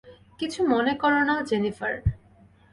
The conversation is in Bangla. কিছু মনে করো না, জেনিফার।